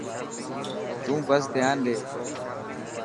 تون بس ڌيان ڏي.